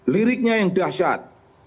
liriknya yang dahsyat